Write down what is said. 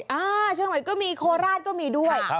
เชียงใหม่ก็มีโคราชก็มีด้วย